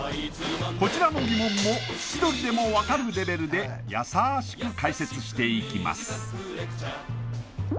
こちらの疑問も千鳥でも分かるレベルでやさしく解説していきます